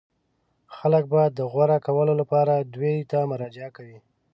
خلک به د غوره کولو لپاره دوی ته مراجعه کوي.